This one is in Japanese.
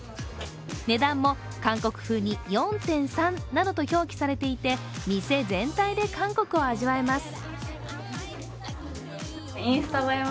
値段も、韓国風に４．３などと表記されていて店全体で韓国を味わえます。